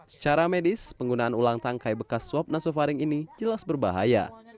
secara medis penggunaan ulang tangkai bekas swab nasofaring ini jelas berbahaya